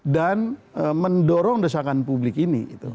dan mendorong desakan publik ini